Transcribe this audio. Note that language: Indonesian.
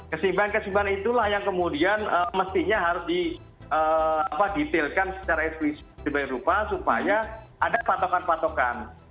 keseimbangan keseimbangan itulah yang kemudian mestinya harus didetailkan secara eksplisit rupa supaya ada patokan patokan